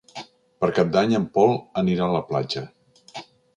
Per Cap d'Any en Pol anirà a la platja.